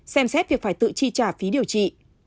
xem xét việc phải tự chi trả phí điều trị